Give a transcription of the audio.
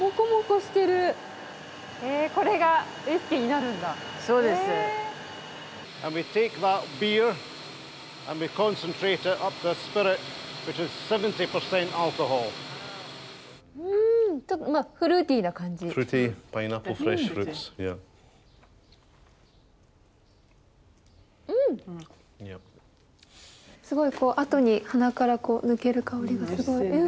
すごいこうあとに鼻から抜ける香りがすごい。